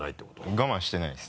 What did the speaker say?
我慢してないです。